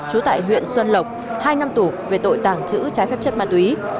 chú tại huyện xuân lộc hai năm tủ về tội tàng trữ trái phép chất ma túy